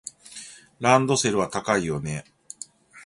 ランドセルは高いよね。